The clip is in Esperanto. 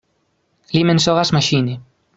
Li mensogas maŝine.